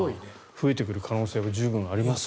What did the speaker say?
増えてくる可能性は十分ありますよ。